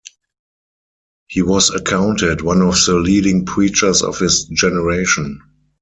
He was accounted one of the leading preachers of his generation.